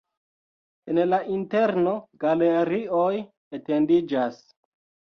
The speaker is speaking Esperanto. En la interno galerioj etendiĝas.